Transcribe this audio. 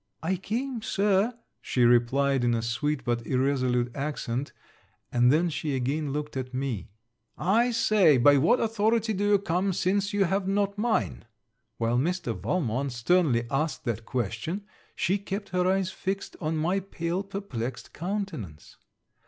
'I came, Sir ' she replied, in a sweet but irresolute accent, and then she again looked at me. 'I say, by what authority do you come, since you have not mine?' While Mr. Valmont sternly asked that question, she kept her eyes fixed on my pale perplexed countenance.